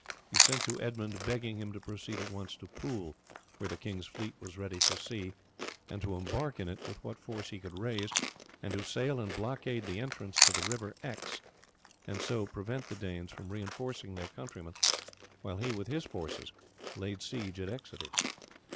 He sent to Edmund begging him to proceed at once to Poole, where the king's fleet was ready for sea, and to embark in it with what force he could raise, and to sail and blockade the entrance to the river Exe, and so prevent the Danes from reinforcing their countrymen, while he with his forces laid siege to Exeter.